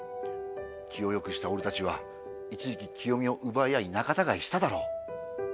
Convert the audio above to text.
気を良くした俺たちは一時期キヨミを奪い合い仲たがいしただろ？